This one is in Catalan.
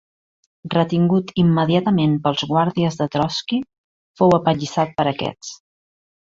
Retingut immediatament pels guàrdies de Trotski fou apallissat per aquests.